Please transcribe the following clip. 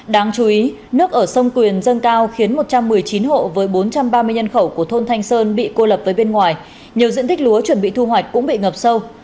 đáng chú ý nước ở sông quyền dâng cao khiến một trăm một mươi chín hộ với bốn trăm ba mươi nhân khẩu của thôn thanh sơn bị cô lập với bên ngoài nhiều diện tích lúa chuẩn bị thu hoạch cũng bị ngập sâu